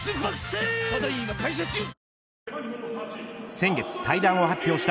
先月退団を発表した